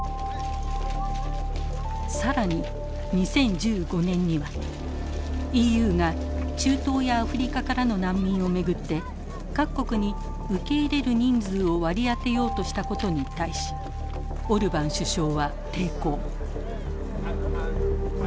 更に２０１５年にはＥＵが中東やアフリカからの難民を巡って各国に受け入れる人数を割り当てようとしたことに対しオルバン首相は抵抗。